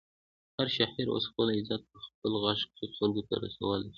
هر شاعر اوس خپل غزل په خپل غږ کې خلکو ته رسولی شي.